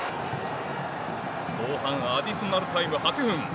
後半アディショナルタイム８分。